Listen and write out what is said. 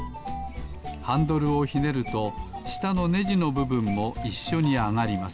ハンドルをひねるとしたのねじのぶぶんもいっしょにあがります。